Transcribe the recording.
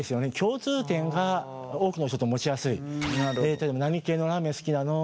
例えば「何系のラーメン好きなの？